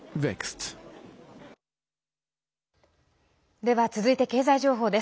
では、続いて経済情報です。